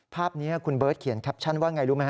ภาพนี้คุณเบิร์ตเขียนแคปชั่นว่าไงรู้ไหมฮ